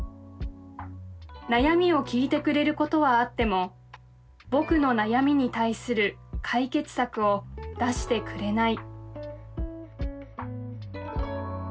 悩みを聞いてくれることはあっても僕の悩みに対する解決策を出してくれない」。